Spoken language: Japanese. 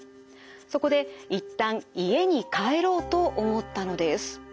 そこでいったん家に帰ろうと思ったのです。